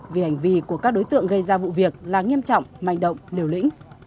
vì hành vi của các đối tượng gây ra vụ việc là nghiêm trọng manh động liều lĩnh